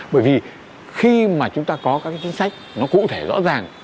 bởi vì khi mà chúng ta có các chính sách nó cụ thể rõ ràng